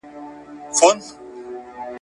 لیري یې بوتلمه تر کوره ساه مي ودرېده !.